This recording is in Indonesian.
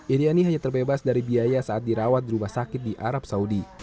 iryani hanya terbebas dari biaya saat dirawat di rumah sakit di arab saudi